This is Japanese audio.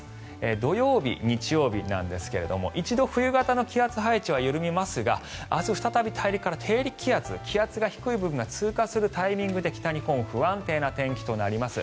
土曜日、日曜日ですが一度、冬型の気圧配置は緩みますが明日、再び大陸から低気圧気圧が低い部分が通過するタイミングで北日本、不安定となります。